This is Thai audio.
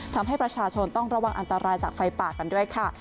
ทำให้ประชาชนต้องระวังอันตรายจากไฟป่ากันด้วยค่ะ